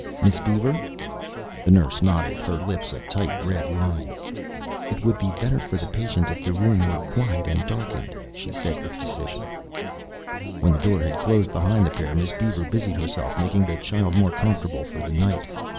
"Miss Beaver...?" The nurse nodded, her lips a tight red line. "It would be better for the patient if the room were quiet and darkened," she said with decision. When the door had closed behind the pair, Miss Beaver busied herself making the child more comfortable for the night.